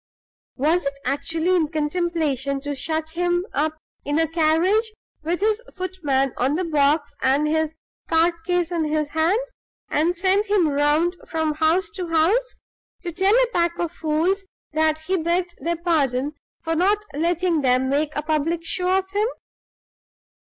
Was it actually in contemplation to shut him up in a carriage, with his footman on the box and his card case in his hand, and send him round from house to house, to tell a pack of fools that he begged their pardon for not letting them make a public show of him?